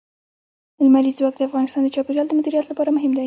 لمریز ځواک د افغانستان د چاپیریال د مدیریت لپاره مهم دي.